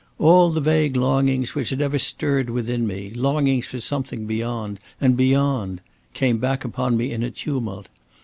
"All the vague longings which had ever stirred within me, longings for something beyond, and beyond, came back upon me in a tumult.